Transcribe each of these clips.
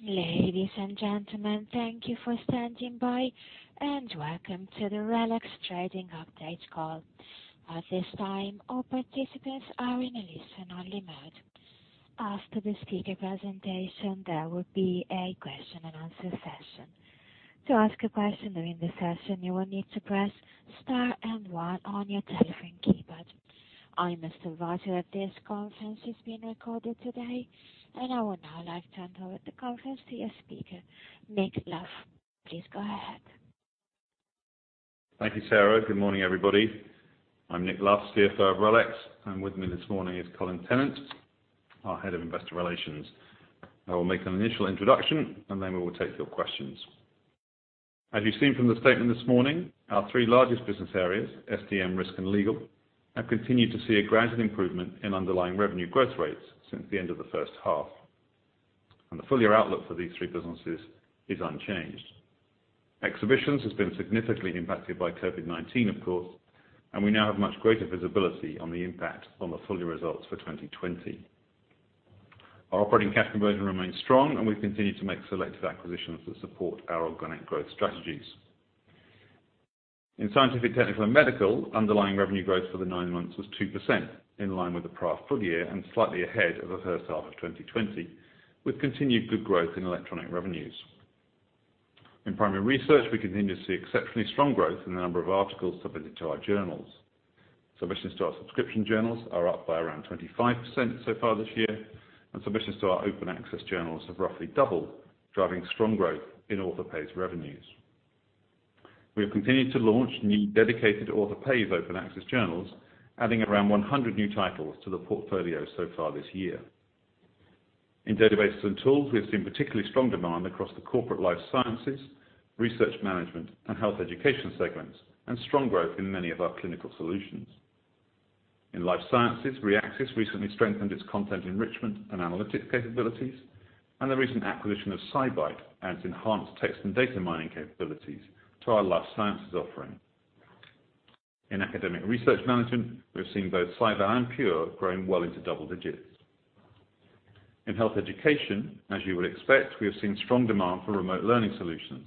Ladies and gentlemen, thank you for standing by, and welcome to the RELX trading update call. At this time, all participants are in a listen-only mode. After the speaker presentation, there will be a question and answer session. To ask a question during the session, you will need to press Star and One on your telephone keypad. I'm the operator. This conference is being recorded today. I would now like to hand over the conference to your speaker, Nick Luff. Please go ahead. Thank you, Sarah. Good morning, everybody. I'm Nick Luff, CFO of RELX, and with me this morning is Colin Tennant, our Head of Investor Relations. I will make an initial introduction. Then we will take your questions. As you've seen from the statement this morning, our three largest business areas, STM, Risk, and Legal, have continued to see a gradual improvement in underlying revenue growth rates since the end of the H1. The full year outlook for these three businesses is unchanged. Exhibitions has been significantly impacted by COVID-19, of course, and we now have much greater visibility on the impact on the full year results for 2020. Our operating cash conversion remains strong, and we've continued to make selective acquisitions that support our organic growth strategies. In Scientific, Technical, and Medical, underlying revenue growth for the nine months was 2%, in line with the prior full year and slightly ahead of the H1 of 2020, with continued good growth in electronic revenues. In Primary Research, we continue to see exceptionally strong growth in the number of articles submitted to our journals. Submissions to our subscription journals are up by around 25% so far this year, and submissions to our open access journals have roughly doubled, driving strong growth in author-pays revenues. We have continued to launch new dedicated author-pays open access journals, adding around 100 new titles to the portfolio so far this year. In Databases and Tools, we've seen particularly strong demand across the corporate life sciences, research management, and health education segments, and strong growth in many of our clinical solutions. In life sciences, Reaxys recently strengthened its content enrichment and analytics capabilities, and the recent acquisition of SciBite adds enhanced text and data mining capabilities to our life sciences offering. In academic research management, we've seen both SciVal and Pure growing well into double digits. In health education, as you would expect, we have seen strong demand for remote learning solutions,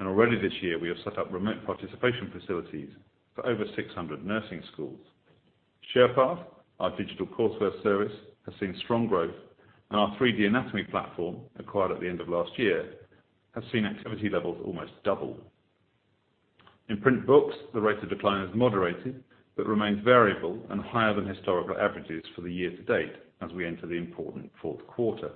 and already this year we have set up remote participation facilities for over 600 nursing schools. Sherpath, our digital coursework service, has seen strong growth, and our 3D anatomy platform, acquired at the end of last year, have seen activity levels almost double. In print books, the rate of decline has moderated but remains variable and higher than historical averages for the year to date as we enter the important Q4.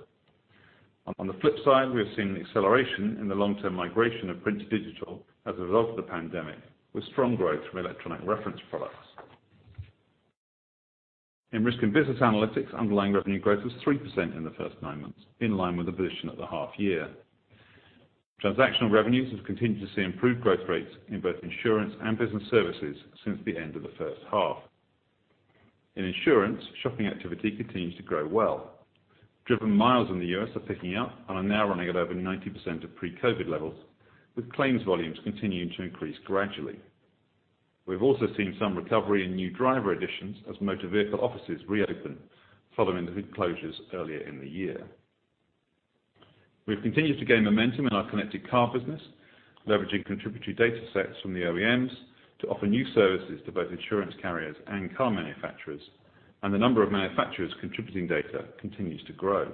On the flip side, we have seen an acceleration in the long-term migration of print to digital as a result of the pandemic, with strong growth from electronic reference products. In Risk and Business Analytics, underlying revenue growth was 3% in the first nine months, in line with the position at the half year. Transactional revenues have continued to see improved growth rates in both insurance and business services since the end of the H1. In insurance, shopping activity continues to grow well. Driven miles in the U.S. are picking up and are now running at over 90% of pre-COVID-19 levels, with claims volumes continuing to increase gradually. We've also seen some recovery in new driver additions as motor vehicle offices reopen following the closures earlier in the year. We've continued to gain momentum in our connected car business, leveraging contributory data sets from the OEMs to offer new services to both insurance carriers and car manufacturers, and the number of manufacturers contributing data continues to grow.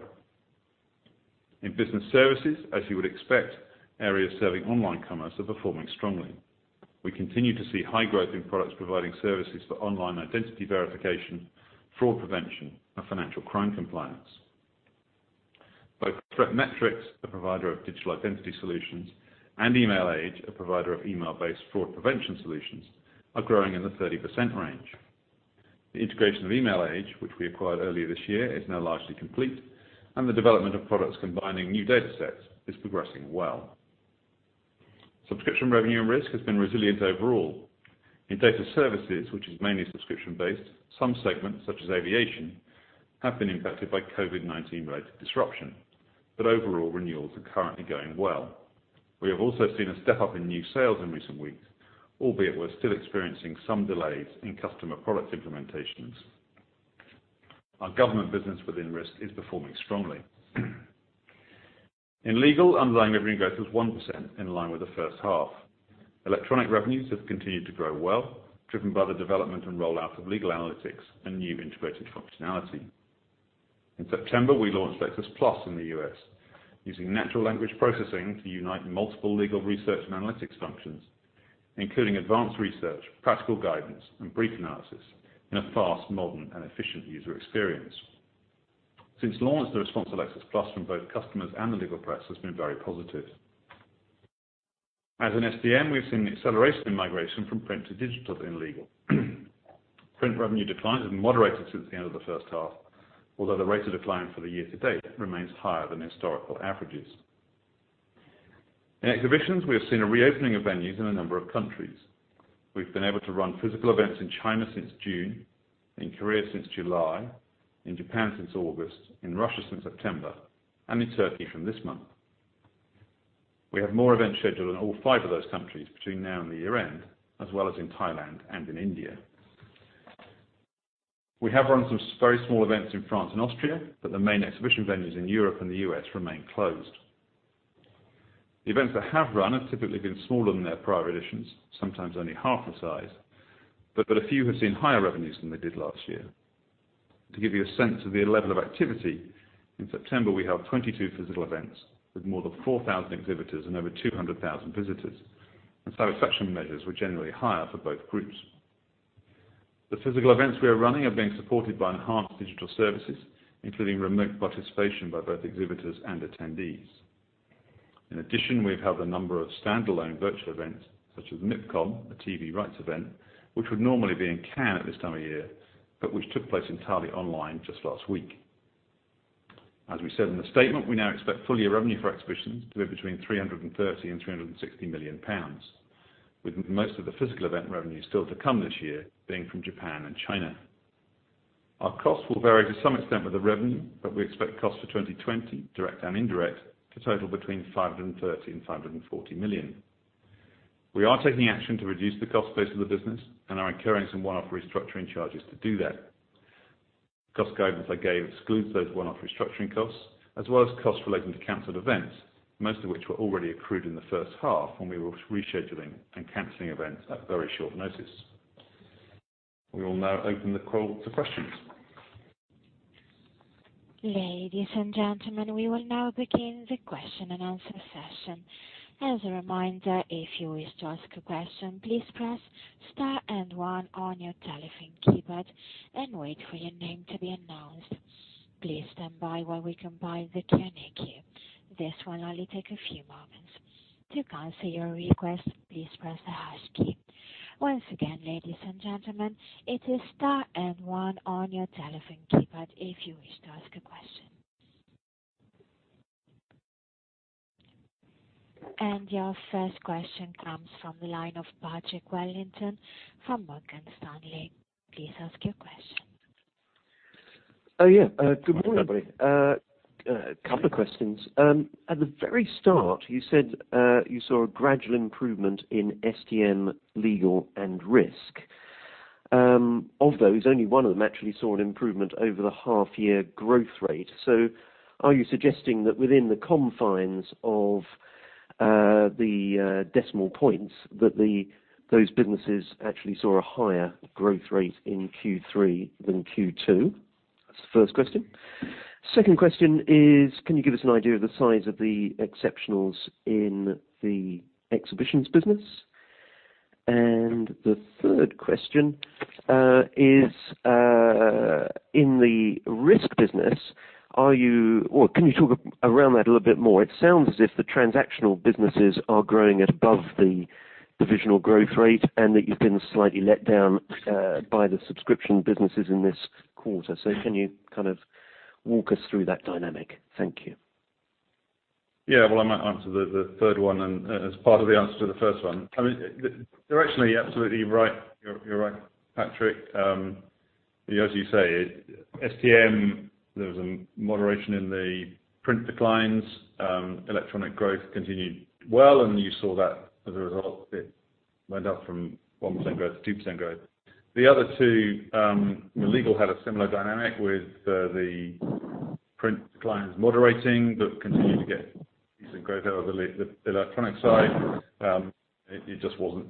In business services, as you would expect, areas serving online commerce are performing strongly. We continue to see high growth in products providing services for online identity verification, fraud prevention, and financial crime compliance. Both ThreatMetrix, a provider of digital identity solutions, and Emailage, a provider of email-based fraud prevention solutions, are growing in the 30% range. The integration of Emailage, which we acquired earlier this year, is now largely complete, and the development of products combining new data sets is progressing well. Subscription revenue and risk has been resilient overall. In data services, which is mainly subscription-based, some segments, such as aviation, have been impacted by COVID-19-related disruption, but overall renewals are currently going well. We have also seen a step up in new sales in recent weeks, albeit we're still experiencing some delays in customer product implementations. Our government business within Risk is performing strongly. In Legal, underlying revenue growth was 1%, in line with the H1. Electronic revenues have continued to grow well, driven by the development and rollout of legal analytics and new integrated functionality. In September, we launched Lexis+ in the U.S., using natural language processing to unite multiple legal research and analytics functions, including advanced research, practical guidance, and brief analysis in a fast, modern, and efficient user experience. Since launch, the response to Lexis+ from both customers and the legal press has been very positive. As in STM, we've seen the acceleration in migration from print to digital in Legal. Print revenue declines have moderated since the end of the H1, although the rate of decline for the year to date remains higher than historical averages. In Exhibitions, we have seen a reopening of venues in a number of countries. We've been able to run physical events in China since June, in Korea since July, in Japan since August, in Russia since September, and in Turkey from this month. We have more events scheduled in all five of those countries between now and the year end, as well as in Thailand and in India. We have run some very small events in France and Austria, but the main exhibition venues in Europe and the U.S. remain closed. The events that have run have typically been smaller than their prior editions, sometimes only half the size, but a few have seen higher revenues than they did last year. To give you a sense of the level of activity, in September, we held 22 physical events with more than 4,000 exhibitors and over 200,000 visitors, and satisfaction measures were generally higher for both groups. The physical events we are running are being supported by enhanced digital services, including remote participation by both exhibitors and attendees. In addition, we've held a number of standalone virtual events such as MIPCOM, a TV rights event, which would normally be in Cannes at this time of year, but which took place entirely online just last week. As we said in the statement, we now expect full-year revenue for exhibitions to be between 330 million and 360 million pounds, with most of the physical event revenue still to come this year being from Japan and China. We expect costs for 2020, direct and indirect, to total between 530 million and 540 million. We are taking action to reduce the cost base of the business and are incurring some one-off restructuring charges to do that. Cost guidance I gave excludes those one-off restructuring costs, as well as costs relating to canceled events, most of which were already accrued in the H1 when we were rescheduling and canceling events at very short notice. We will now open the call to questions. Your first question comes from the line of Patrick Wellington from Morgan Stanley. Please ask your question. Oh, yeah. Good morning, everybody. A couple of questions. At the very start, you said you saw a gradual improvement in STM, Legal, and Risk. Of those, only one of them actually saw an improvement over the half-year growth rate. Are you suggesting that within the confines of the decimal points, that those businesses actually saw a higher growth rate in Q3 than Q2? That's the first question. Second question is, can you give us an idea of the size of the exceptionals in the exhibitions business? The third question is, in the Risk business, can you talk around that a little bit more? It sounds as if the transactional businesses are growing at above the divisional growth rate and that you've been slightly let down by the subscription businesses in this quarter. Can you walk us through that dynamic? Thank you. Well, I might answer the third one as part of the answer to the first one. You're actually absolutely right, Patrick. As you say, STM, there was a moderation in the print declines. Electronic growth continued well, you saw that as a result. It went up from 1% growth to 2% growth. The other two, Legal had a similar dynamic with the print declines moderating but continued to get decent growth out of the electronic side. It just wasn't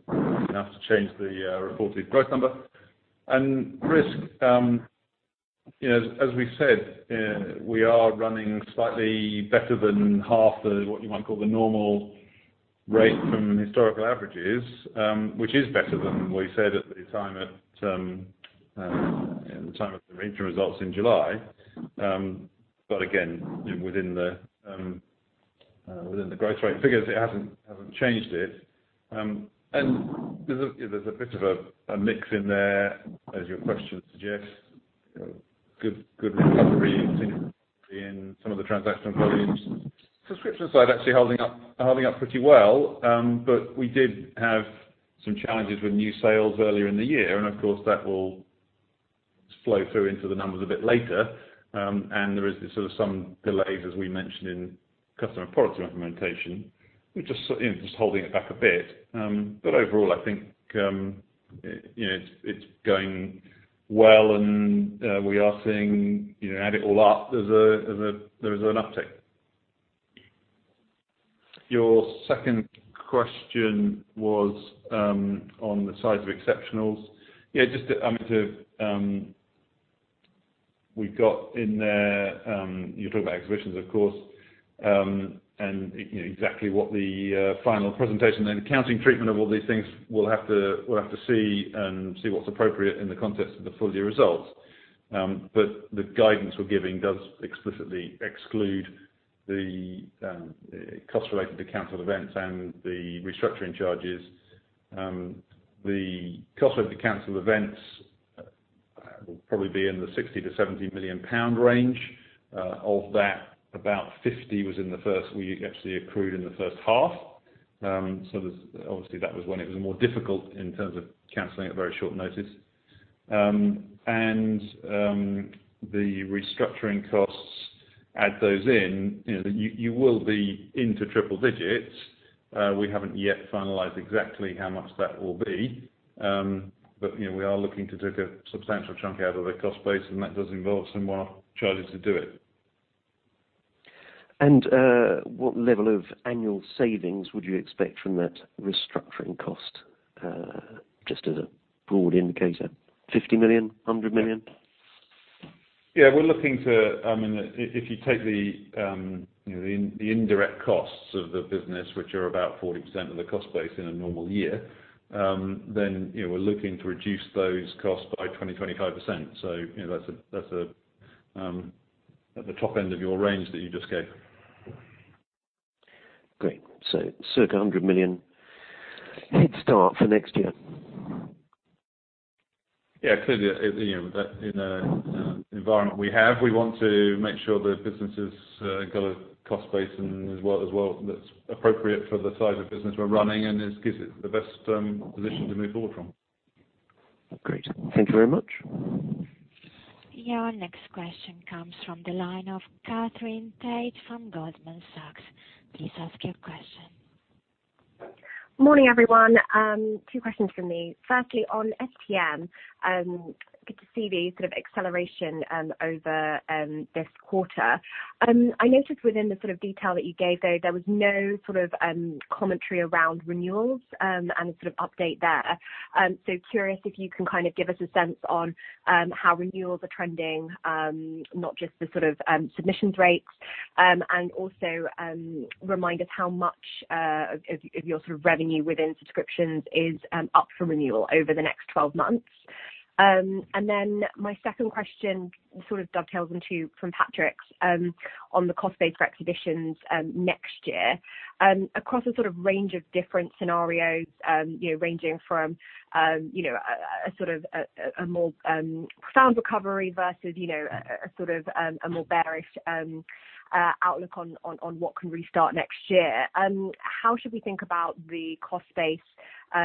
enough to change the reported growth number. Risk, as we said, we are running slightly better than half the what you might call the normal rate from historical averages, which is better than we said at the time of the interim results in July. Again, within the growth rate figures, it hasn't changed it. There's a bit of a mix in there, as your question suggests. Good recovery in some of the transactional volumes. Subscription side actually holding up pretty well. We did have some challenges with new sales earlier in the year, and of course, that will flow through into the numbers a bit later. There is some delays, as we mentioned in customer product implementation, which is holding it back a bit. Overall, I think it's going well, and we are seeing, add it all up, there's an uptick. Your second question was on the size of exceptionals. You talk about Exhibitions, of course, and exactly what the final presentation and accounting treatment of all these things will have to see and see what's appropriate in the context of the full-year results. The guidance we're giving does explicitly exclude the costs related to canceled events and the restructuring charges. The cost of the canceled events will probably be in the 60 million-70 million pound range. Of that, about 50 million we actually accrued in the H1. Obviously, that was when it was more difficult in terms of canceling at very short notice. The restructuring costs. Add those in, you will be into triple digits. We haven't yet finalized exactly how much that will be. We are looking to take a substantial chunk out of the cost base, and that does involve some more charges to do it. What level of annual savings would you expect from that restructuring cost? Just as a broad indicator, 50 million? 100 million? Yeah. If you take the indirect costs of the business, which are about 40% of the cost base in a normal year, we're looking to reduce those costs by 20%-25%. That's at the top end of your range that you just gave. Great. Circa 100 million head start for next year. Clearly, in the environment we have, we want to make sure the business has got a cost base as well that's appropriate for the size of business we're running, and it gives it the best position to move forward from. Great. Thank you very much. Your next question comes from the line of Catherine Page from Goldman Sachs. Please ask your question. Morning, everyone. Two questions from me. Firstly, on STM, good to see the sort of acceleration over this quarter. I noticed within the sort of detail that you gave, though, there was no sort of commentary around renewals and a sort of update there. Curious if you can kind of give us a sense on how renewals are trending, not just the sort of submissions rates. Also remind us how much of your sort of revenue within subscriptions is up for renewal over the next 12 months. My second question sort of dovetails into, from Patrick's, on the cost base for exhibitions next year. Across a sort of range of different scenarios, ranging from a more profound recovery versus a more bearish outlook on what can restart next year, how should we think about the cost base?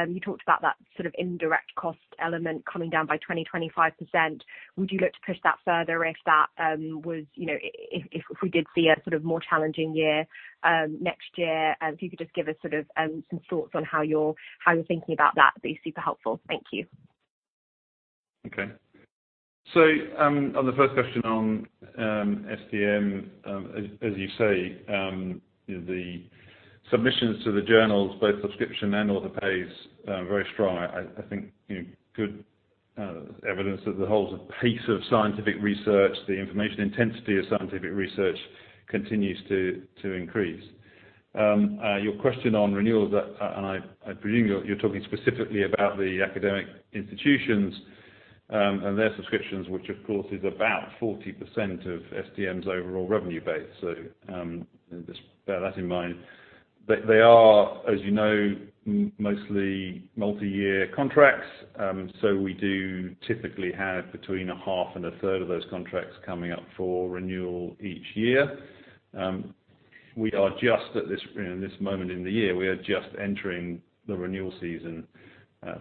You talked about that sort of indirect cost element coming down by 20%-25%. Would you look to push that further if we did see a sort of more challenging year next year? If you could just give us some thoughts on how you're thinking about that, it'd be super helpful. Thank you. On the first question on STM, as you say, the submissions to the journals, both subscription and author-pays, are very strong. I think good evidence that the whole pace of scientific research, the information intensity of scientific research continues to increase. Your question on renewals, and I presume you're talking specifically about the academic institutions and their subscriptions, which of course is about 40% of STM's overall revenue base. Just bear that in mind. They are, as you know, mostly multi-year contracts. We do typically have between a half and a third of those contracts coming up for renewal each year. In this moment in the year, we are just entering the renewal season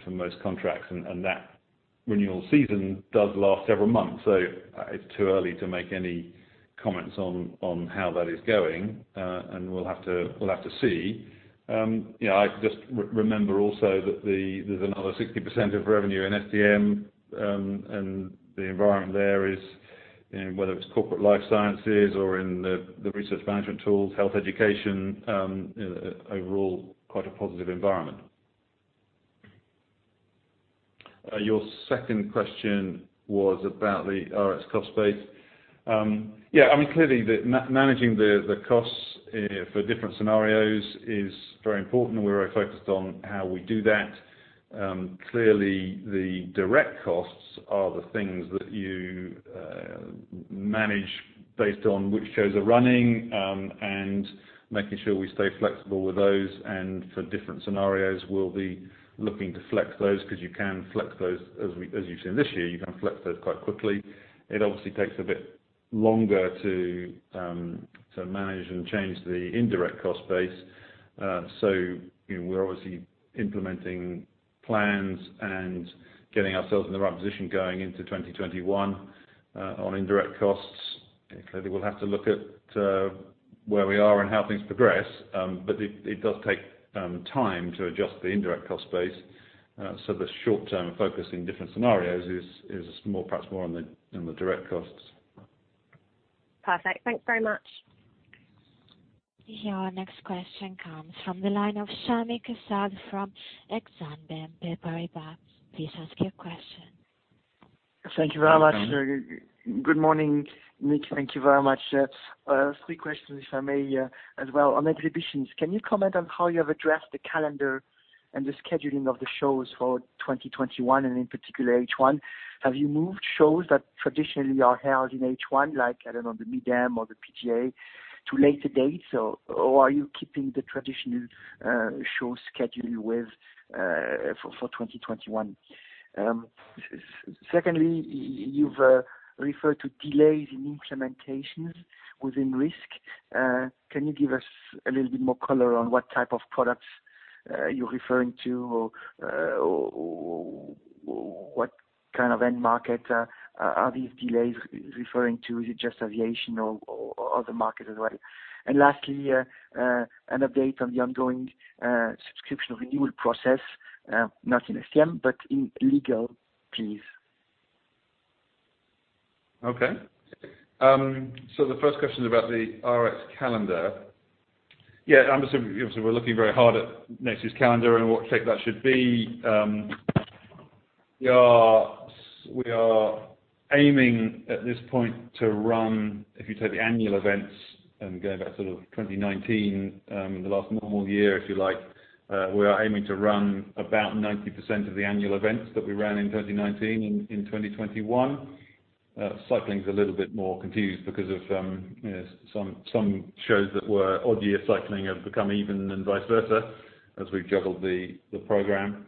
for most contracts, and that renewal season does last several months. It's too early to make any comments on how that is going. We'll have to see. I just remember also that there's another 60% of revenue in STM, and the environment there is, whether it's corporate life sciences or in the research management tools, health education, overall quite a positive environment. Your second question was about the RELX cost base. Yeah, clearly managing the costs for different scenarios is very important, and we're very focused on how we do that. Clearly, the direct costs are the things that you manage based on which shows are running, and making sure we stay flexible with those. For different scenarios, we'll be looking to flex those because you can flex those, as you've seen this year. You can flex those quite quickly. It obviously takes a bit longer to manage and change the indirect cost base. We're obviously implementing plans and getting ourselves in the right position going into 2021 on indirect costs. Clearly, we'll have to look at where we are and how things progress. It does take time to adjust the indirect cost base. The short-term focus in different scenarios is perhaps more on the direct costs. Perfect. Thanks very much. Your next question comes from the line of Sami Kassab from Exane BNP Paribas. Please ask your question. Thank you very much. Good morning, Nick. Thank you very much. Three questions, if I may, as well. On exhibitions, can you comment on how you have addressed the calendar and the scheduling of the shows for 2021 and in particular H1? Have you moved shows that traditionally are held in H1, like, I don't know, the MIDEM or the PGA to later dates, or are you keeping the traditional show schedule for 2021? Secondly, you've referred to delays in implementations within Risk. Can you give us a little bit more color on what type of products are you referring to, or what kind of end market are these delays referring to? Is it just aviation or other markets as well? Lastly, an update on the ongoing subscription renewal process, not in STM, but in Legal, please. Okay. The first question is about the RX calendar. Yeah, obviously we're looking very hard at next year's calendar and what shape that should be. We are aiming at this point to run, if you take the annual events and going back to 2019, the last normal year, if you like, we are aiming to run about 90% of the annual events that we ran in 2019 in 2021. Cycling is a little bit more confused because of some shows that were odd year cycling have become even and vice versa as we've juggled the program.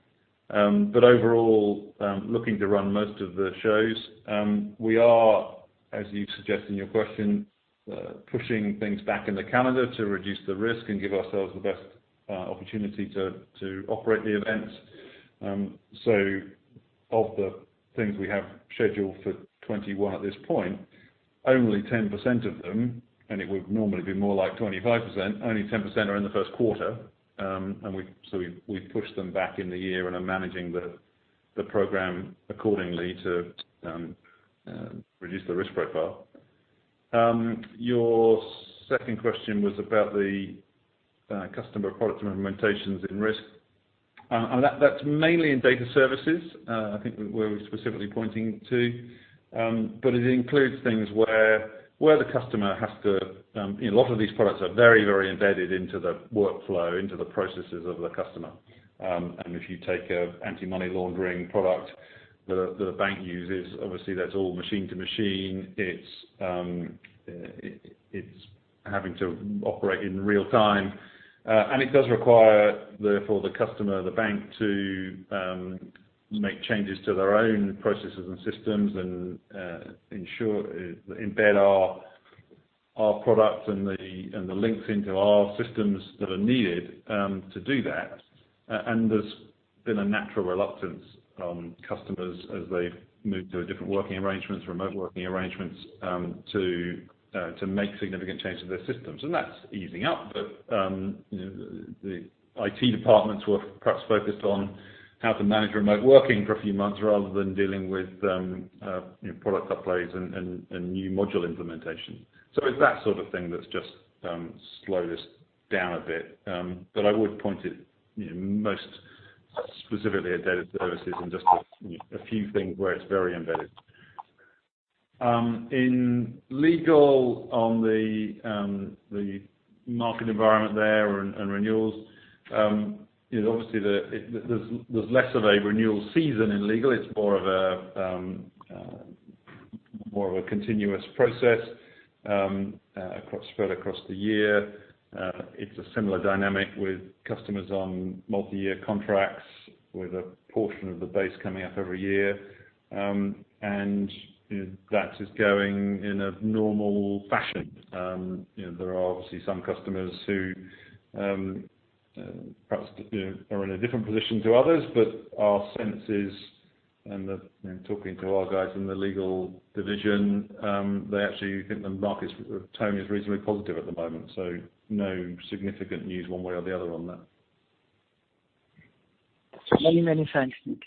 Overall, looking to run most of the shows. We are, as you suggest in your question, pushing things back in the calendar to reduce the risk and give ourselves the best opportunity to operate the events. Of the things we have scheduled for 2021 at this point, only 10% of them, and it would normally be more like 25%, only 10% are in the Q1. We pushed them back in the year and are managing the program accordingly to reduce the risk profile. Your second question was about the customer product implementations and risk. That's mainly in data services, I think, where we're specifically pointing to. It includes things where the customer has to. A lot of these products are very, very embedded into the workflow, into the processes of the customer. If you take an anti-money laundering product that a bank uses, obviously that's all machine to machine. It's having to operate in real time. It does require, therefore, the customer, the bank, to make changes to their own processes and systems and embed our products and the links into our systems that are needed to do that. There's been a natural reluctance from customers as they've moved to a different working arrangements, remote working arrangements, to make significant changes to their systems. That's easing up. The IT departments were perhaps focused on how to manage remote working for a few months, rather than dealing with product uploads and new module implementation. It's that sort of thing that's just slowed us down a bit. I would point it most specifically at data services and just a few things where it's very embedded. In Legal on the market environment there and renewals, obviously there's less of a renewal season in Legal. It's more of a continuous process spread across the year. It's a similar dynamic with customers on multi-year contracts with a portion of the base coming up every year, and that is going in a normal fashion. There are obviously some customers who perhaps are in a different position to others, but our sense is, and talking to our guys in the legal division, they actually think the market tone is reasonably positive at the moment. No significant news one way or the other on that. Many, many thanks, Nick.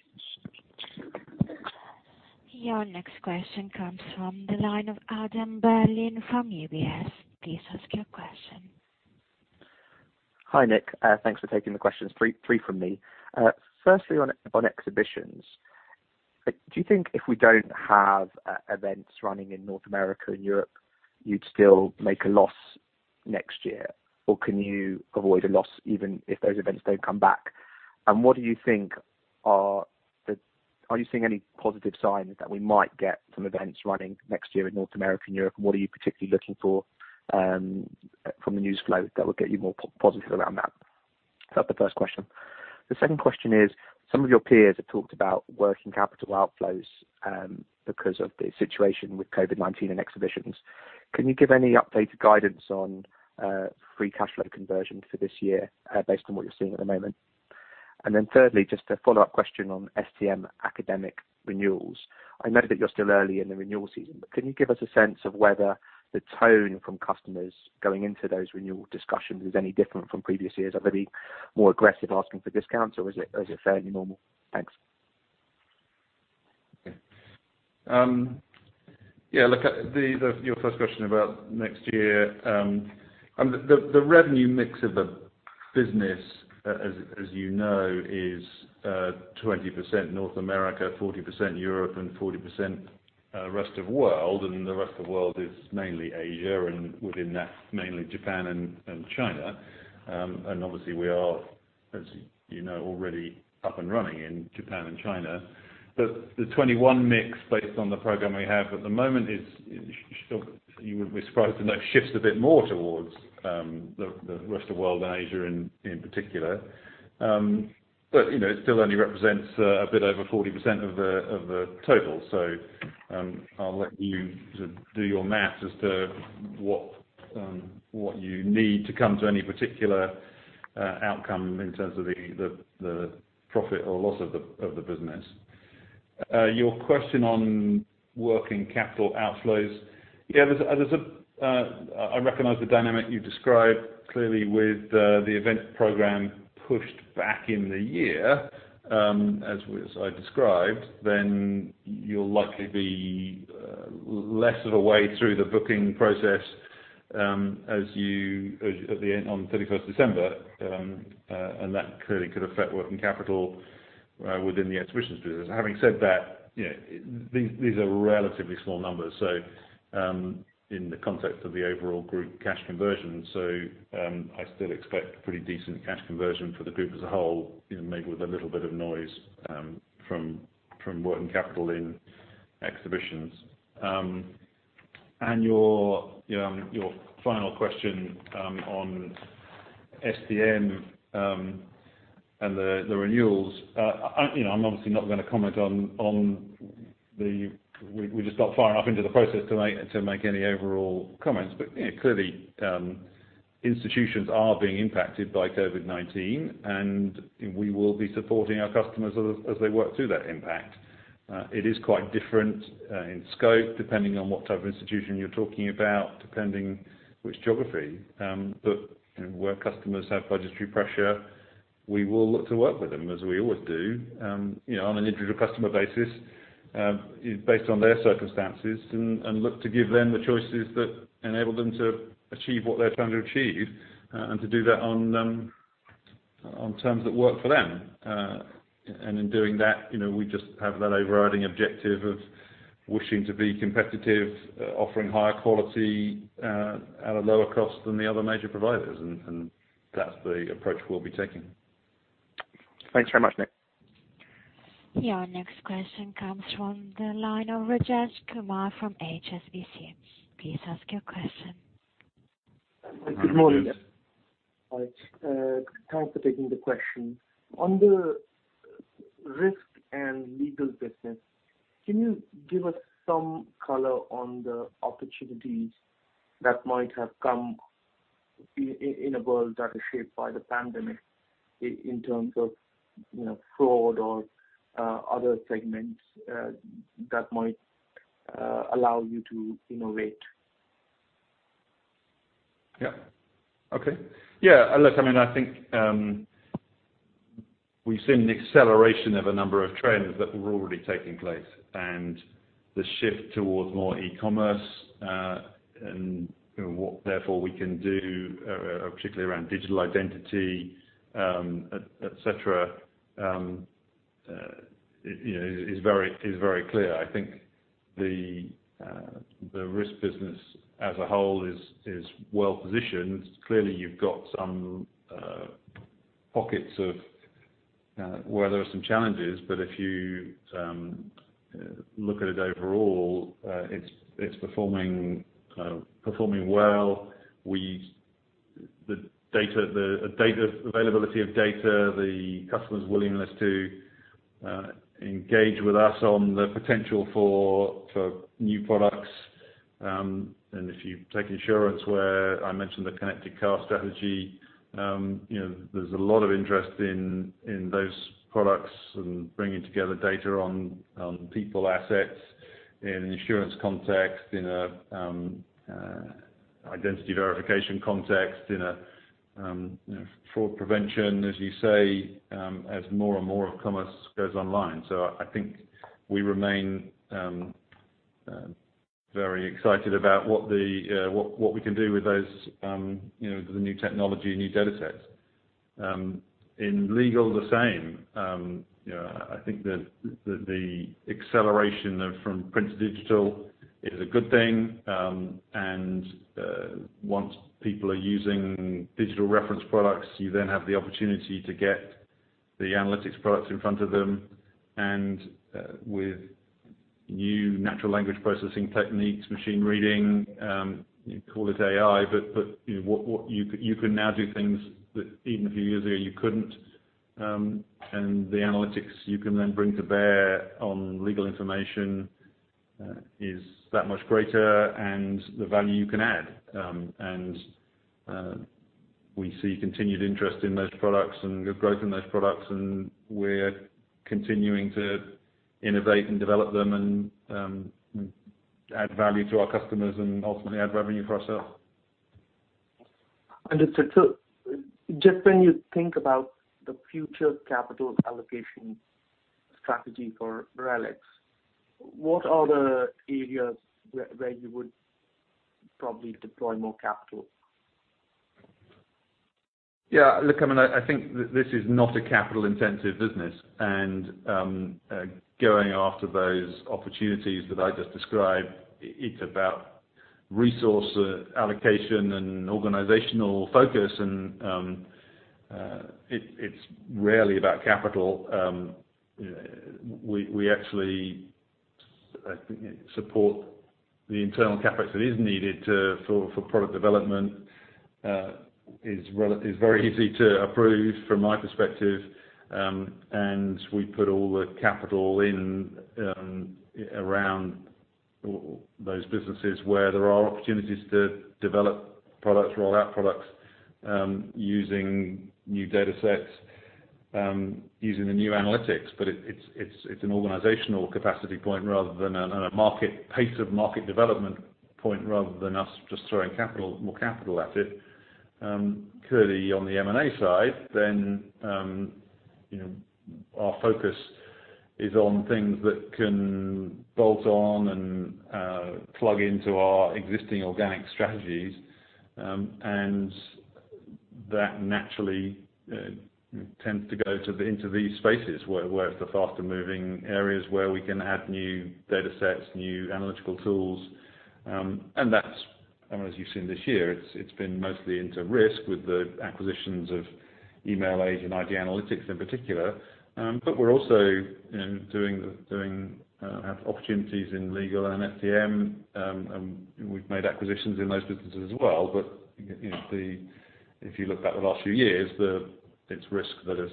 Your next question comes from the line of Adam Berlin from UBS. Please ask your question. Hi, Nick. Thanks for taking the questions. Three from me. Firstly, on exhibitions. Do you think if we don't have events running in North America and Europe, you'd still make a loss next year? Can you avoid a loss even if those events don't come back? Are you seeing any positive signs that we might get some events running next year in North America and Europe? What are you particularly looking for from the news flow that will get you more positive around that? That's the first question. The second question is, some of your peers have talked about working capital outflows because of the situation with COVID-19 and exhibitions. Can you give any updated guidance on free cash flow conversion for this year based on what you're seeing at the moment? Thirdly, just a follow-up question on STM academic renewals. I know that you're still early in the renewal season. Can you give us a sense of whether the tone from customers going into those renewal discussions is any different from previous years? Are they more aggressive asking for discounts, or is it fairly normal? Thanks. Yeah. Look, your first question about next year. The revenue mix of the business, as you know, is 20% North America, 40% Europe and 40% rest of world. The rest of world is mainly Asia, and within that, mainly Japan and China. Obviously we are, as you know, already up and running in Japan and China. The 2021 mix based on the program we have at the moment is, you would be surprised to know, shifts a bit more towards the rest of world and Asia in particular. It still only represents a bit over 40% of the total. I'll let you do your math as to what you need to come to any particular outcome in terms of the profit or loss of the business. Your question on working capital outflows. Yeah, I recognize the dynamic you describe. Clearly with the event program pushed back in the year, as I described, then you'll likely be less of a way through the booking process on the 31st of December, and that clearly could affect working capital within the Exhibitions Business. Having said that, these are relatively small numbers, so in the context of the overall group cash conversion. I still expect pretty decent cash conversion for the group as a whole, maybe with a little bit of noise from working capital in Exhibitions. Your final question on STM, and the renewals. I'm obviously not going to comment. We're just not far enough into the process to make any overall comments. Clearly, institutions are being impacted by COVID-19, and we will be supporting our customers as they work through that impact. It is quite different in scope depending on what type of institution you're talking about, depending which geography. Where customers have budgetary pressure, we will look to work with them as we always do, on an individual customer basis, based on their circumstances, and look to give them the choices that enable them to achieve what they're trying to achieve, and to do that on terms that work for them. In doing that, we just have that overriding objective of wishing to be competitive, offering higher quality at a lower cost than the other major providers, and that's the approach we'll be taking. Thanks very much, Nick. Your next question comes from the line of Rajesh Kumar from HSBC. Please ask your question. Good morning. Thanks for taking the question. On the risk and legal business, can you give us some color on the opportunities that might have come in a world that is shaped by the pandemic in terms of fraud or other segments that might allow you to innovate? Yeah. Okay. Yeah, look, I think we've seen an acceleration of a number of trends that were already taking place. The shift towards more e-commerce, what therefore we can do, particularly around digital identity, et cetera, is very clear. I think the risk business as a whole is well positioned. Clearly, you've got some pockets of where there are some challenges. If you look at it overall, it's performing well. The availability of data, the customer's willingness to engage with us on the potential for new products. If you take insurance, where I mentioned the connected car strategy, there's a lot of interest in those products and bringing together data on people assets in insurance context, in identity verification context, in fraud prevention, as you say, as more and more of commerce goes online. I think we remain very excited about what we can do with those, the new technology, new data sets. In legal, the same. I think that the acceleration from print-to-electronic is a good thing. Once people are using digital reference products, you then have the opportunity to get the analytics products in front of them, and with new natural language processing techniques, machine reading, call it AI, but you can now do things that even a few years ago you couldn't. The analytics you can then bring to bear on legal information is that much greater and the value you can add. We see continued interest in those products and good growth in those products, and we're continuing to innovate and develop them and add value to our customers and ultimately add revenue for ourselves. Just when you think about the future capital allocation strategy for RELX, what are the areas where you would probably deploy more capital? Yeah, look, I think this is not a capital-intensive business. Going after those opportunities that I just described, it's about resource allocation and organizational focus and it's rarely about capital. We actually, I think, support the internal CapEx that is needed for product development is very easy to approve from my perspective. We put all the capital in around those businesses where there are opportunities to develop products, roll out products using new data sets, using the new analytics. It's an organizational capacity point rather than a pace of market development point, rather than us just throwing more capital at it. Clearly on the M&A side, our focus is on things that can bolt on and plug into our existing organic strategies. That naturally tends to go into these spaces where it's the faster-moving areas where we can add new data sets, new analytical tools. As you've seen this year, it's been mostly into Risk with the acquisitions of Emailage and ID Analytics in particular. We're also doing opportunities in Legal and STM, and we've made acquisitions in those businesses as well. If you look back the last few years, it's Risk that has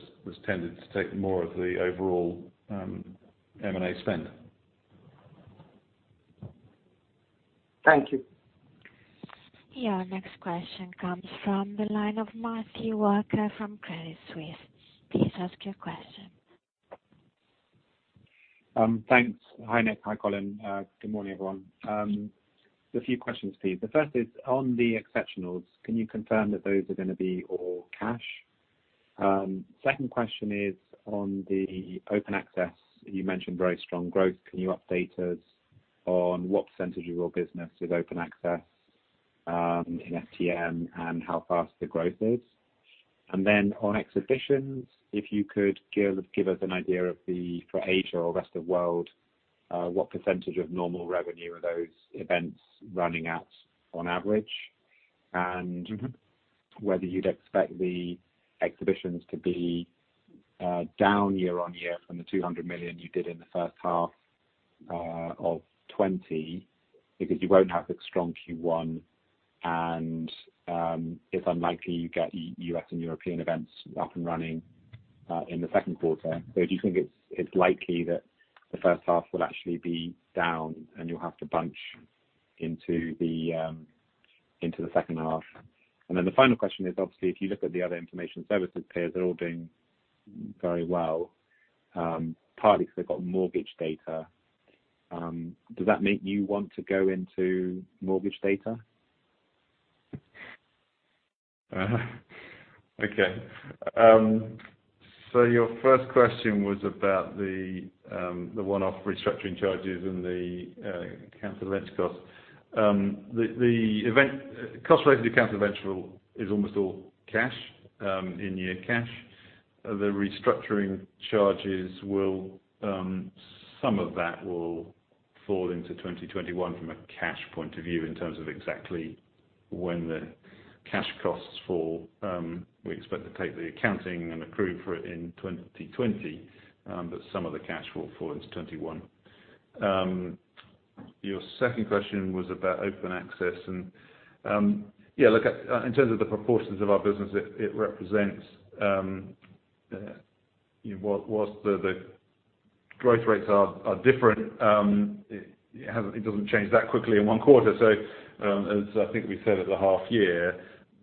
tended to take more of the overall M&A spend. Thank you. Yeah. Next question comes from the line of Matthew Walker from Credit Suisse. Please ask your question. Thanks. Hi, Nick. Hi, Colin. Good morning, everyone. Just a few questions, please. The first is on the exceptionals. Can you confirm that those are going to be all cash? Second question is on the open access, you mentioned very strong growth. Can you update us on what percentages of your business is open access in STM and how fast the growth is? Then on exhibitions, if you could give us an idea of the, for Asia or rest of world, what percentage of normal revenue are those events running at on average? Whether you'd expect the Exhibitions to be down year-over-year from the 200 million you did in the H1 of 2020, because you won't have the strong Q1 and it's unlikely you get U.S. and European events up and running in the Q2. Do you think it's likely that the H1 will actually be down and you'll have to bunch into the H2? The final question is obviously, if you look at the other information services peers, they're all doing very well, partly because they've got mortgage data. Does that make you want to go into mortgage data? Okay. Your first question was about the one-off restructuring charges and the canceled rents cost. The cost related to canceled rental is almost all cash, in-year cash. The restructuring charges, some of that will fall into 2021 from a cash point of view in terms of exactly when the cash costs fall. We expect to take the accounting and accrue for it in 2020, some of the cash will fall into 2021. Your second question was about open access, look, in terms of the proportions of our business, it represents, whilst the growth rates are different, it doesn't change that quickly in one quarter. As I think we said at the half year,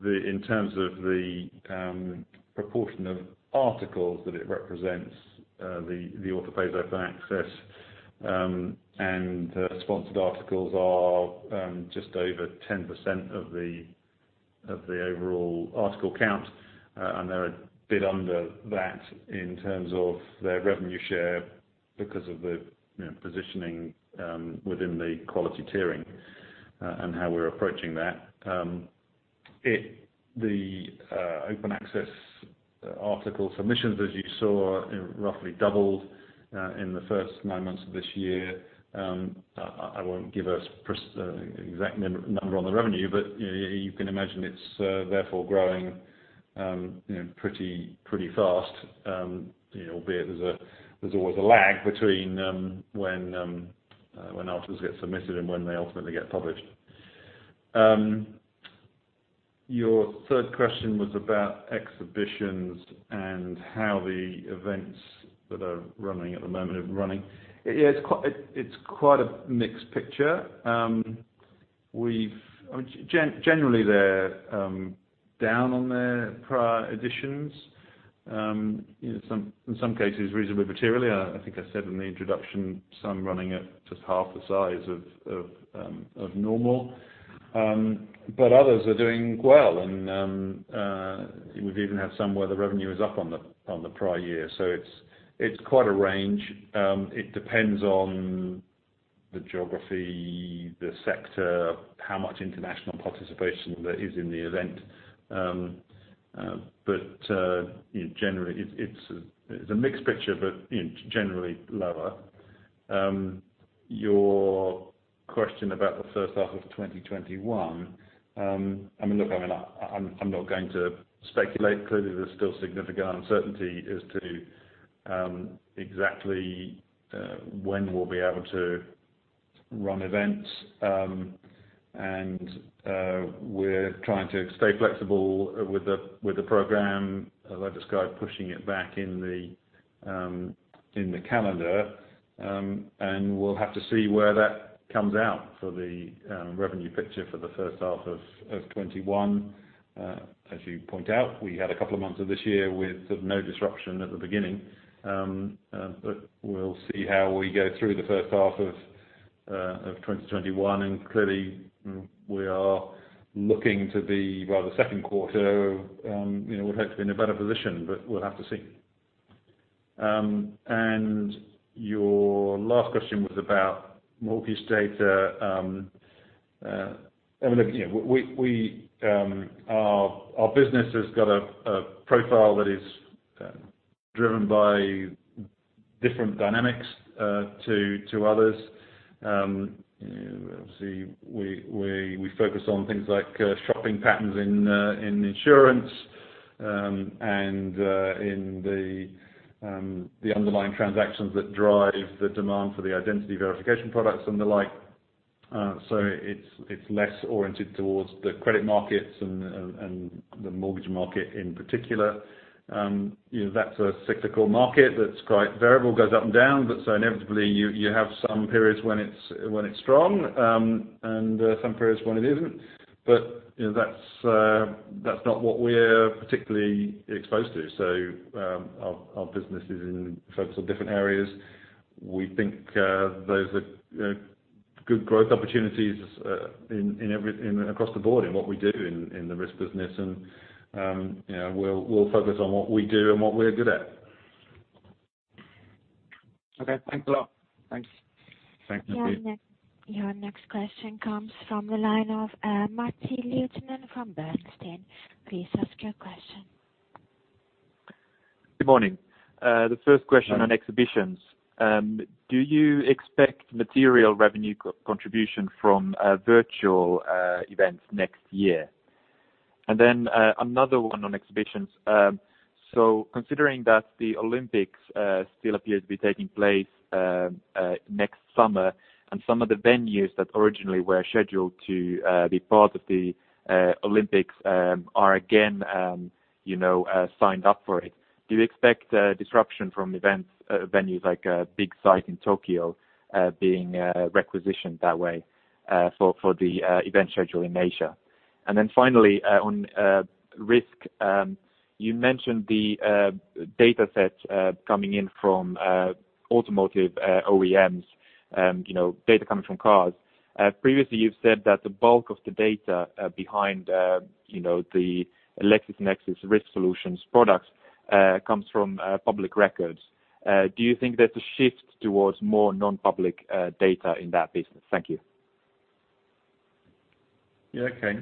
in terms of the proportion of articles that it represents the author-pays open access, and sponsored articles are just over 10% of the overall article count, and they're a bit under that in terms of their revenue share because of the positioning within the quality tiering and how we're approaching that. The open access article submissions, as you saw, roughly doubled in the first nine months of this year. I won't give an exact number on the revenue, but you can imagine it's therefore growing pretty fast, albeit there's always a lag between when articles get submitted and when they ultimately get published. Your third question was about exhibitions and how the events that are running at the moment are running. Yeah, it's quite a mixed picture. Generally they're down on their prior editions, in some cases reasonably materially. I think I said in the introduction, some running at just half the size of normal. Others are doing well, and we've even had some where the revenue is up on the prior year. It's quite a range. It depends on the geography, the sector, how much international participation there is in the event. Generally, it's a mixed picture, but generally lower. Question about the H1 of 2021. Look, I'm not going to speculate. Clearly, there's still significant uncertainty as to exactly when we'll be able to run events. We're trying to stay flexible with the program, as I described, pushing it back in the calendar. We'll have to see where that comes out for the revenue picture for the H1 of 2021. As you point out, we had a couple of months of this year with no disruption at the beginning. We'll see how we go through the H1 of 2021. Clearly, we are looking to the Q2. We'd hope to be in a better position, but we'll have to see. Your last question was about mortgage data. Our business has got a profile that is driven by different dynamics to others. Obviously, we focus on things like shopping patterns in insurance and in the underlying transactions that drive the demand for the identity verification products and the like. It's less oriented towards the credit markets and the mortgage market in particular. That's a cyclical market that's quite variable, goes up and down. Inevitably, you have some periods when it's strong and some periods when it isn't. But that's not what we're particularly exposed to. Our business is in focus on different areas. We think those are good growth opportunities across the board in what we do in the risk business, and we'll focus on what we do and what we're good at. Okay. Thanks a lot. Thanks. Thank you. Your next question comes from the line of Matti Littunen from Bernstein. Please ask your question. Good morning. The first question on exhibitions. Do you expect material revenue contribution from virtual events next year? Another one on exhibitions. Considering that the Olympics still appear to be taking place next summer, and some of the venues that originally were scheduled to be part of the Olympics are again signed up for it, do you expect disruption from venues like Big Sight in Tokyo being requisitioned that way for the event schedule in Asia? Finally, on risk, you mentioned the data sets coming in from automotive OEMs, data coming from cars. Previously, you've said that the bulk of the data behind the LexisNexis Risk Solutions products comes from public records. Do you think there's a shift towards more non-public data in that business? Thank you. Okay.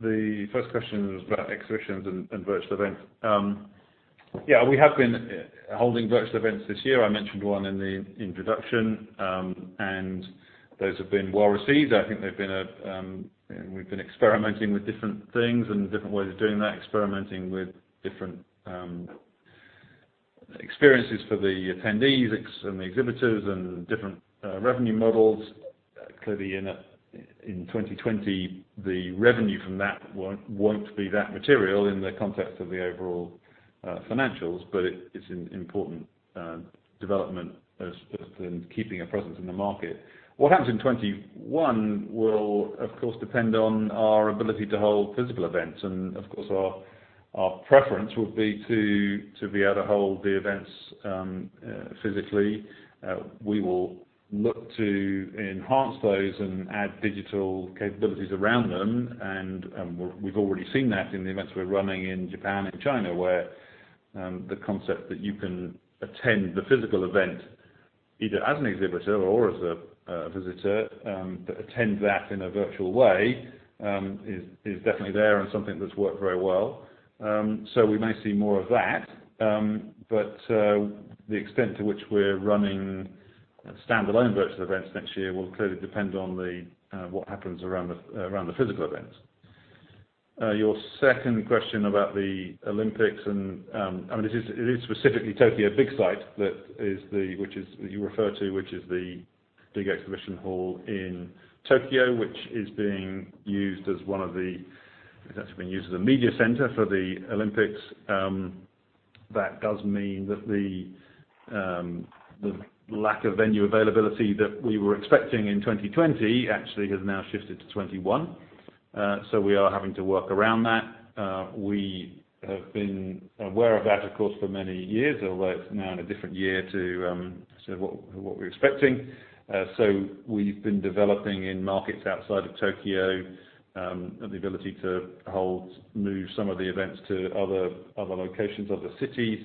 The first question was about exhibitions and virtual events. We have been holding virtual events this year. I mentioned one in the introduction. Those have been well received. I think we've been experimenting with different things and different ways of doing that, experimenting with different experiences for the attendees and the exhibitors and different revenue models. Clearly in 2020, the revenue from that won't be that material in the context of the overall financials. It's an important development in keeping a presence in the market. What happens in 2021 will, of course, depend on our ability to hold physical events. Of course, our preference would be to be able to hold the events physically. We will look to enhance those and add digital capabilities around them. We've already seen that in the events we're running in Japan and China, where the concept that you can attend the physical event, either as an exhibitor or as a visitor, but attend that in a virtual way is definitely there and something that's worked very well. We may see more of that. The extent to which we're running standalone virtual events next year will clearly depend on what happens around the physical events. Your second question about the Olympics, and it is specifically Tokyo Big Sight that you refer to, which is the big exhibition hall in Tokyo, which is actually being used as a media center for the Olympics. That does mean that the lack of venue availability that we were expecting in 2020 actually has now shifted to 2021. We are having to work around that. We have been aware of that, of course, for many years, although it's now in a different year to what we were expecting. We've been developing in markets outside of Tokyo the ability to move some of the events to other locations, other cities,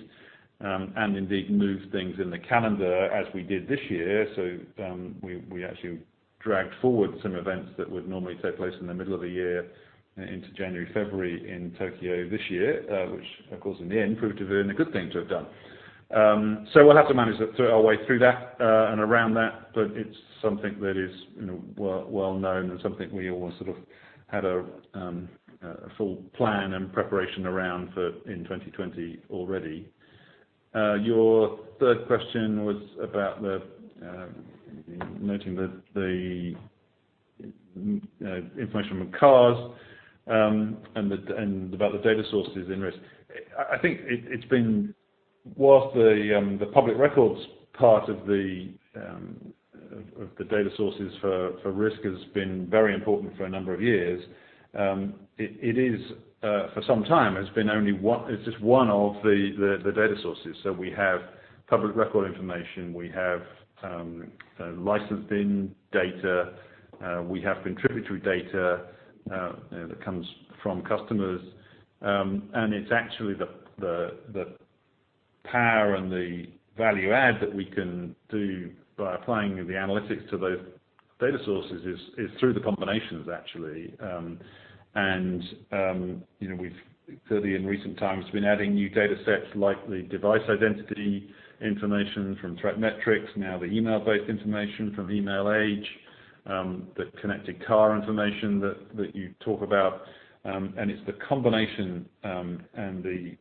and indeed move things in the calendar as we did this year. We actually dragged forward some events that would normally take place in the middle of the year into January, February in Tokyo this year, which of course, in the end proved to have been a good thing to have done. We'll have to manage our way through that and around that, but it's something that is well known and something we all sort of had a full plan and preparation around in 2020 already. Your third question was about the, noting the information from CARs and about the data sources in Risk. I think whilst the public records part of the data sources for Risk has been very important for a number of years, it is for some time it's just one of the data sources. We have public record information, we have licensing data, we have contributory data that comes from customers. It's actually the power and the value add that we can do by applying the analytics to those data sources is through the combinations, actually. We've certainly in recent times been adding new data sets like the device identity information from ThreatMetrix, now the email-based information from Emailage, the connected car information that you talk about. It's the combination and the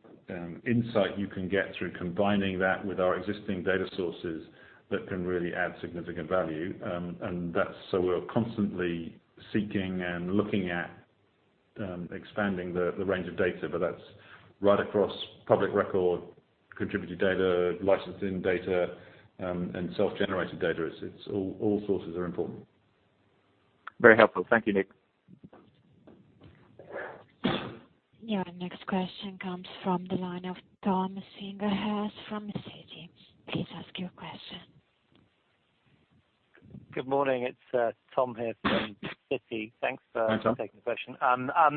insight you can get through combining that with our existing data sources that can really add significant value. That's. We're constantly seeking and looking at expanding the range of data, but that's right across public record, contributed data, licensing data, and self-generated data. All sources are important. Very helpful. Thank you, Nick. Your next question comes from the line of Tom Singlehurst from Citi. Please ask your question. Good morning. It's Tom here from Citi. Hi, Tom. Thanks for taking the question. I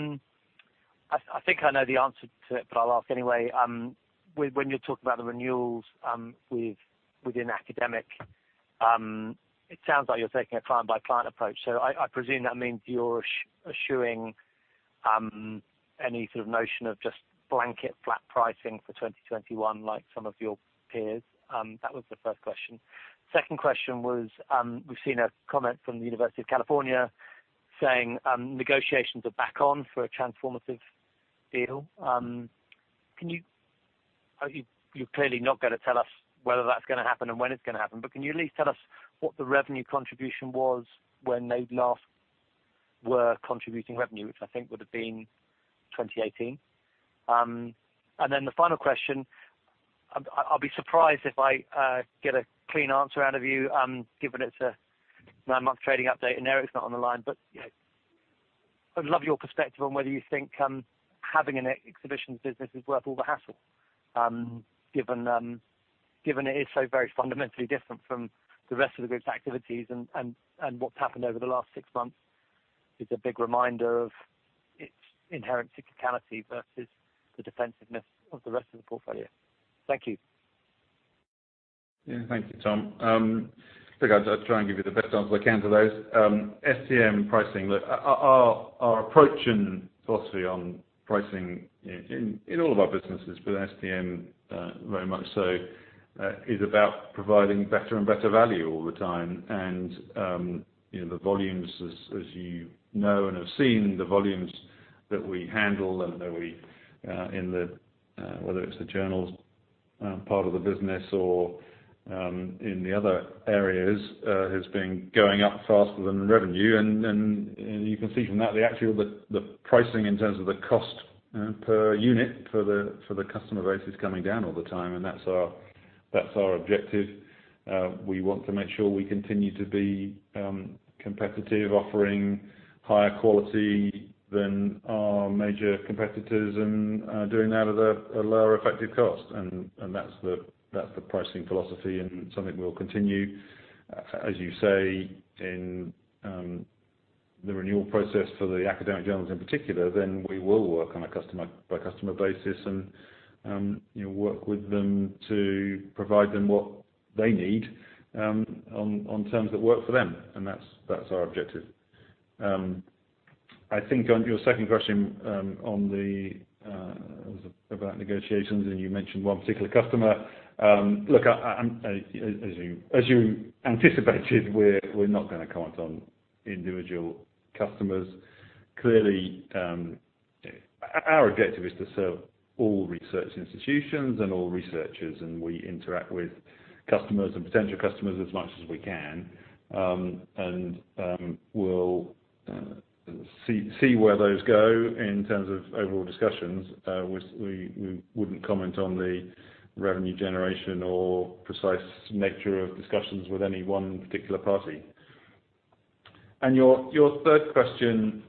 think I know the answer to it, but I'll ask anyway. When you're talking about the renewals within academic, it sounds like you're taking a client-by-client approach. I presume that means you're eschewing any sort of notion of just blanket flat pricing for 2021 like some of your peers. That was the first question. Second question was, we've seen a comment from the University of California saying negotiations are back on for a transformative deal. You're clearly not going to tell us whether that's going to happen and when it's going to happen. Can you at least tell us what the revenue contribution was when they last were contributing revenue, which I think would have been 2018? The final question, I'll be surprised if I get a clean answer out of you, given it's a nine-month trading update and Erik's not on the line. I would love your perspective on whether you think having an exhibitions business is worth all the hassle, given it is so very fundamentally different from the rest of the group's activities and what's happened over the last six months is a big reminder of its inherent cyclicality versus the defensiveness of the rest of the portfolio. Thank you. Yeah. Thank you, Tom. Look, I'll try and give you the best answer I can to those. STM pricing. Look, our approach and philosophy on pricing in all of our businesses, but STM very much so, is about providing better and better value all the time. The volumes, as you know and have seen, the volumes that we handle and that we, whether it's the journals part of the business or in the other areas, has been going up faster than the revenue. You can see from that the actual pricing in terms of the cost per unit for the customer rate is coming down all the time, and that's our objective. We want to make sure we continue to be competitive, offering higher quality than our major competitors, and doing that at a lower effective cost. That's the pricing philosophy and something we'll continue. As you say, in the renewal process for the academic journals in particular, then we will work on a customer-by-customer basis and work with them to provide them what they need on terms that work for them. That's our objective. I think on your second question on the, about negotiations, and you mentioned one particular customer. Look, as you anticipated, we're not going to comment on individual customers. Clearly, our objective is to serve all research institutions and all researchers, and we interact with customers and potential customers as much as we can. We'll see where those go in terms of overall discussions. We wouldn't comment on the revenue generation or precise nature of discussions with any one particular party. Your third question,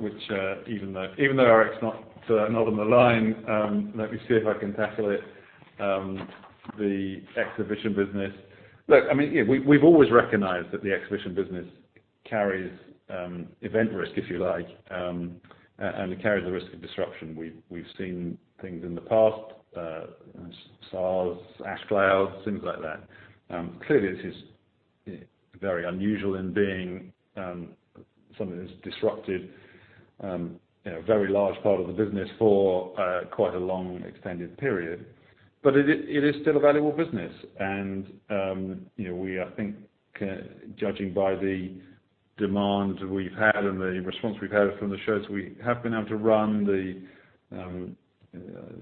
which even though Erik's not on the line, let me see if I can tackle it, the exhibition business. Look, we've always recognized that the exhibition business carries event risk, if you like, and it carries a risk of disruption. We've seen things in the past, SARS, ash clouds, things like that. Clearly this is very unusual in being something that has disrupted a very large part of the business for quite a long extended period. It is still a valuable business, and we, I think, judging by the demand we've had and the response we've had from the shows we have been able to run, the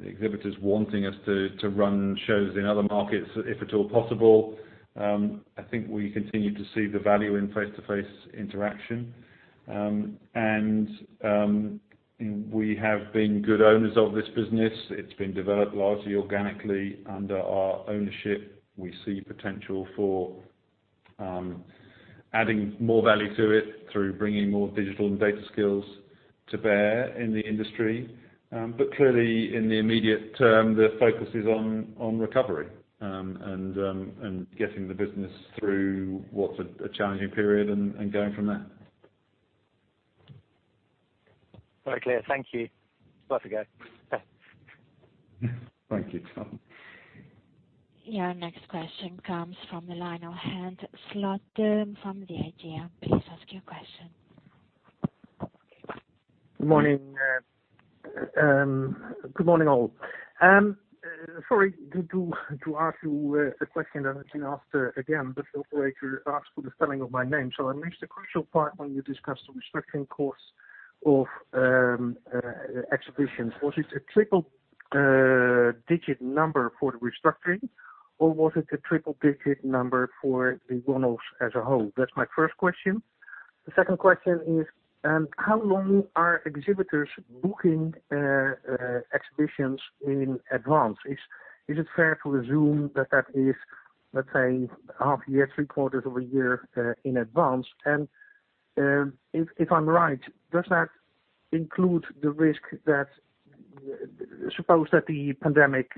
exhibitors wanting us to run shows in other markets, if at all possible. I think we continue to see the value in face-to-face interaction. We have been good owners of this business. It's been developed largely organically under our ownership. We see potential for adding more value to it through bringing more digital and data skills to bear in the industry. Clearly, in the immediate term, the focus is on recovery, and getting the business through what's a challenging period and going from there. Very clear. Thank you once again. Thank you, Tom. Your next question comes from the line of Henk Slotboom from The Idea. Please ask your question. Morning. Good morning, all. Sorry to ask you a question that has been asked again, but the operator asked for the spelling of my name. I missed the crucial part when you discussed the restructuring costs of exhibitions. Was it a triple digit number for the restructuring or was it a triple digit number for the one-offs as a whole? That's my first question. The second question is, how long are exhibitors booking exhibitions in advance? Is it fair to assume that is, let's say, half a year, three quarters of a year in advance? If I'm right, does that include the risk that suppose that the pandemic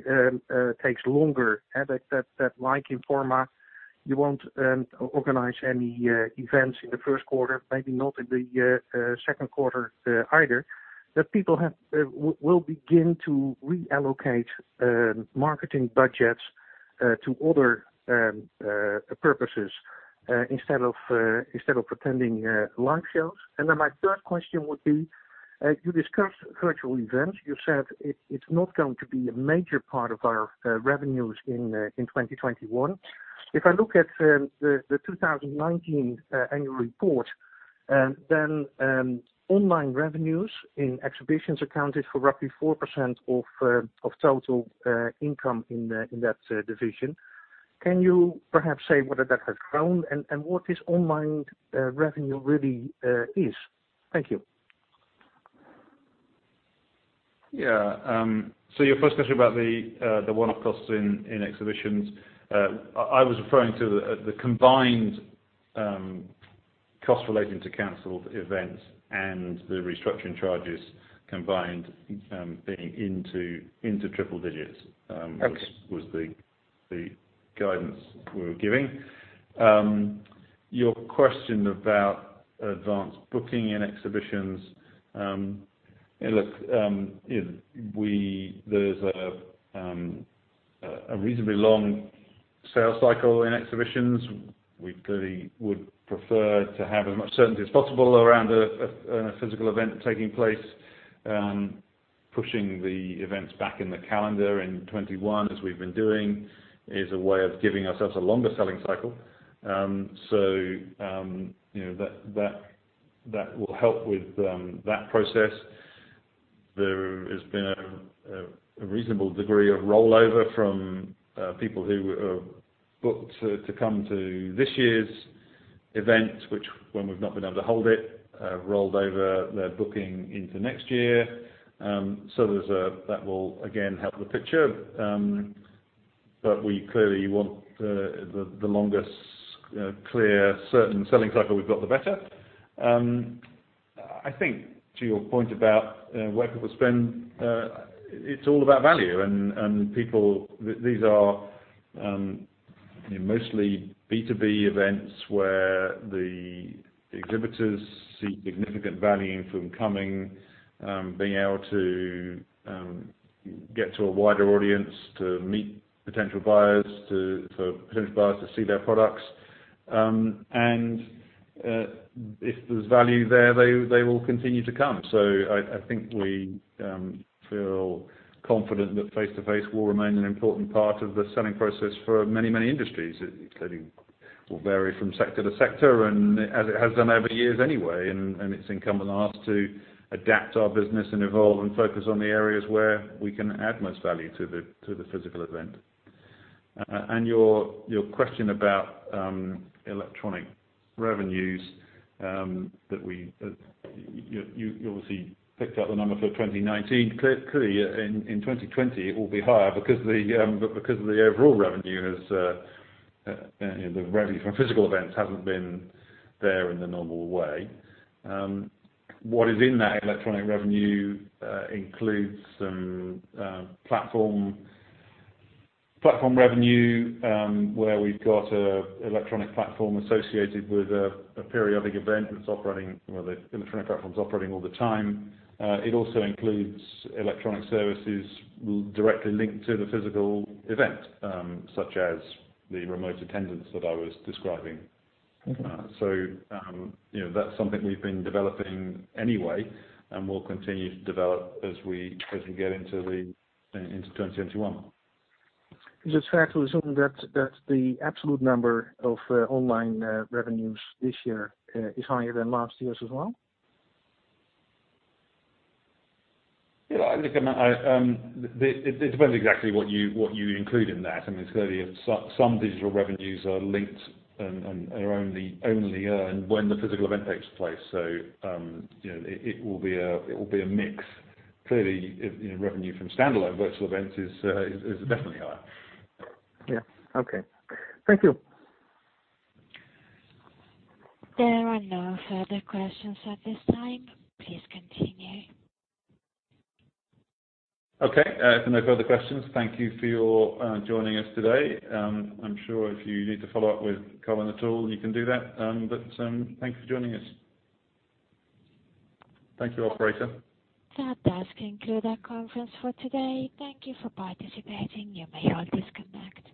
takes longer and that like Informa, you won't organize any events in the Q1, maybe not in the Q2 either, that people will begin to reallocate marketing budgets to other purposes instead of attending live shows. My third question would be, you discussed virtual events. You said it's not going to be a major part of our revenues in 2021. If I look at the 2019 annual report, online revenues in Exhibitions accounted for roughly 4% of total income in that division. Can you perhaps say whether that has grown and what this online revenue really is? Thank you. Yeah. Your first question about the one-off costs in exhibitions, I was referring to the combined cost relating to canceled events and the restructuring charges combined being into triple digits. was the guidance we were giving. Your question about advanced booking in exhibitions. Look, there's a reasonably long sales cycle in exhibitions. We clearly would prefer to have as much certainty as possible around a physical event taking place. Pushing the events back in the calendar in 2021, as we've been doing, is a way of giving ourselves a longer selling cycle. That will help with that process. There has been a reasonable degree of rollover from people who have booked to come to this year's event, which when we've not been able to hold it, rolled over their booking into next year. That will again help the picture. We clearly want the longest, clear, certain selling cycle we've got, the better. I think to your point about where people spend, it's all about value. These are mostly B2B events where the exhibitors see significant value in from coming, being able to get to a wider audience to meet potential buyers, for potential buyers to see their products. If there's value there, they will continue to come. I think we feel confident that face-to-face will remain an important part of the selling process for many, many industries. It clearly will vary from sector to sector, and as it has done over years anyway, and it's incumbent on us to adapt our business and evolve and focus on the areas where we can add most value to the physical event. Your question about electronic revenues that you obviously picked up the number for 2019. Clearly, in 2020 it will be higher because the revenue from physical events hasn't been there in the normal way. What is in that electronic revenue includes some platform revenue, where we've got an electronic platform associated with a periodic event that's operating, where the electronic platform is operating all the time. It also includes electronic services directly linked to the physical event, such as the remote attendance that I was describing. That's something we've been developing anyway and will continue to develop as we get into 2021. Is it fair to assume that the absolute number of online revenues this year is higher than last year as well? Yeah. Look, it depends exactly what you include in that. I mean, clearly some digital revenues are linked and are only earned when the physical event takes place. It will be a mix. Clearly, revenue from standalone virtual events is definitely higher. Yeah. Okay. Thank you. There are no further questions at this time. Please continue. Okay. If no further questions, thank you for joining us today. I'm sure if you need to follow up with Colin at all, you can do that. Thank you for joining us. Thank you, operator. That does conclude our conference for today. Thank you for participating. You may all disconnect.